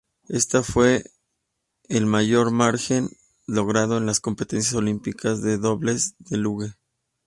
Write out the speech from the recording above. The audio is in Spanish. Esta fue el mayor margen logrado en las competencias olímpicas de dobles de luge.